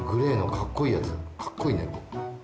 かっこいい猫。